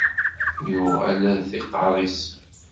Yuɣal ar tiqqaṛ is.